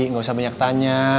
gak usah banyak tanya